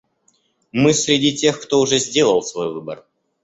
Мы среди тех, кто уже сделал свой выбор.